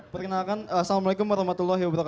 perkenalkan assalamu'alaikum warahmatullahi wabarakatuh